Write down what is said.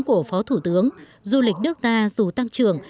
của phó thủ tướng du lịch nước ta dù tăng trưởng